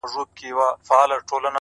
هره ورځ د نوي فصل پیل دی